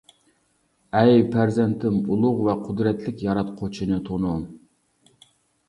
ئەي پەرزەنتىم، ئۇلۇغ ۋە قۇدرەتلىك ياراتقۇچىنى تونۇ.